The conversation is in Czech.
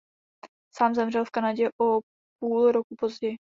Sám zemřel v Kanadě o půl roku později.